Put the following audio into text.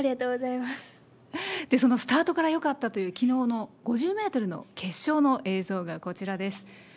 そのスタートからよかったというきのうの５０メートルの決勝の映像がこちらです。